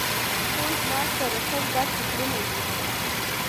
خو زما سره تل دا فکرونه وو.